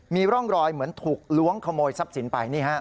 มีร่องรอยเหมือนถูกล้วงขโมยทรัพย์สินไป